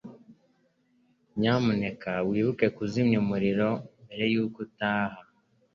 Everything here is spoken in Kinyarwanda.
Nyamuneka wibuke kuzimya umuriro mbere yuko utaha.